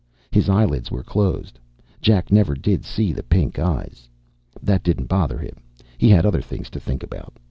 His eyelids were closed. Jack never did see the pink eyes. That didn't bother him. He had other things to think about.